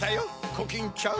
コキンちゃん。